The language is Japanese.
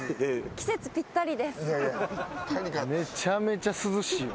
めちゃめちゃ涼しいよ。